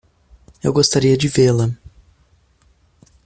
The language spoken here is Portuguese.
Eu gostaria de vê-la.